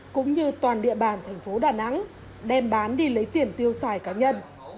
cũng như toàn địa bàn thành phố đà nẵng đem bán đi lấy tiền tiêu xài cá nhân